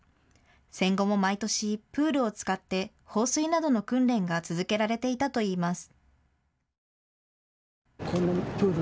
戦後も毎年、プールを使って放水などの訓練が続けられていたといいます。